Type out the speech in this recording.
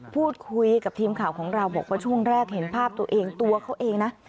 พูดคุยกับทีมข่าวของเราบอกว่าช่วงแรกเห็นภาพตัวเองตัวเขาเองนะ